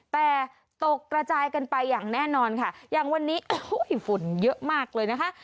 แต่ตกกระจายกันไปอย่างแน่นอนค่ะอย่างวันนี้โอ้โหฝุ่นเยอะมากเลยนะคะ